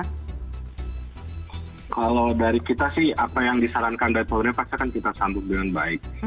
kalau dari kita sih apa yang disarankan dari polri pasti kan kita sambut dengan baik